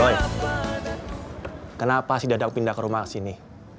doi kenapa si dadang pindah ke rumah sini